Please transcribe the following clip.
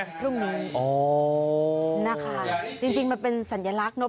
พรุ่งนี้อ๋อนะคะจริงมันเป็นสัญลักษณ์เนอ